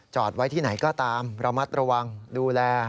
ไว้ที่ไหนก็ตามระมัดระวังดูแล